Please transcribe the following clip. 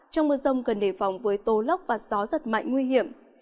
trong mưa rông cần đề phòng với tố lóc và gió rất mạnh nguy hiểm